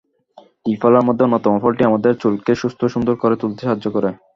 ত্রিফলার মধ্যে অন্যতম ফলটি আমাদের চুলকে সুস্থ ও সুন্দর করে তুলতে সাহায্য করে।